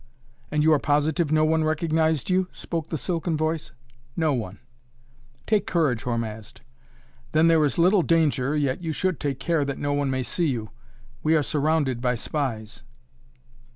"And you are positive no one recognized you?" spoke the silken voice. "No one." "Take courage, Hormazd. Then there is little danger, yet you should take care that no one may see you. We are surrounded by spies."